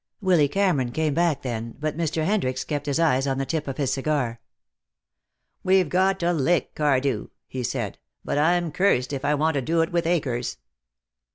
Willy Cameron came back then, but Mr. Hendricks kept his eyes on the tip of his cigar. "We've got to lick Cardew," he said, "but I'm cursed if I want to do it with Akers."